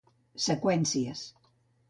Seqüències.